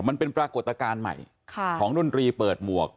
มันเป็นปรากฏการณ์ใหม่ของดนตรีเปิดหมวก